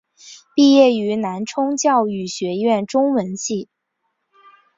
毕业于南充教育学院中文系。